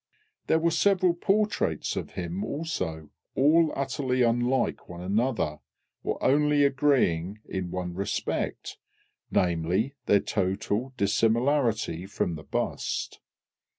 There were several portraits of him also, all utterly unlike one another, or only agreeing in one respect, namely, their total dissimilarity from the bust.